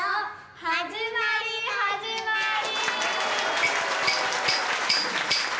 始まり、始まり。